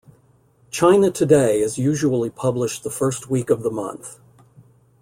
"China Today" is usually published the first week of the month.